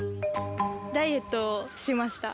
ダイエットしました。